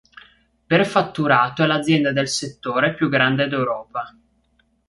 Per fatturato è l'azienda del settore più grande d'Europa.